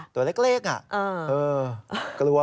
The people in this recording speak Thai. ตัวเล็กอ่ะ